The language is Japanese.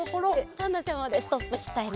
パンダちゃまでストップしたいな。